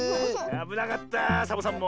あぶなかったサボさんも。